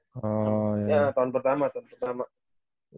oh iya tahun pertama tahun pertama